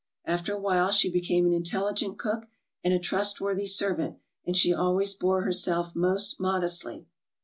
After a while she became an intelli gent cook, and a trustworthy servant, and she always bore herself most modestly.